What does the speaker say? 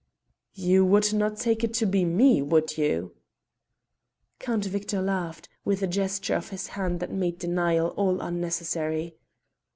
"You would not take it to be me, would you?" he asked. Count Victor laughed, with a gesture of his hands that made denial all unnecessary.